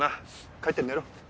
帰って寝ろ。